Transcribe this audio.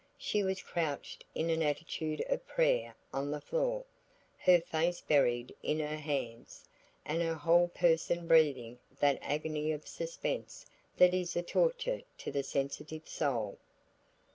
She was crouched in an attitude of prayer on the floor, her face buried in her hands, and her whole person breathing that agony of suspense that is a torture to the sensitive soul.